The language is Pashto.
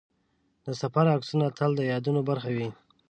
د سفر عکسونه تل د یادونو برخه وي.